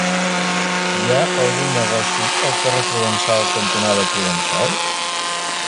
Hi ha algun negoci al carrer Provençals cantonada Provençals?